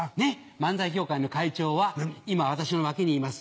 漫才協会の会長は今私の脇にいます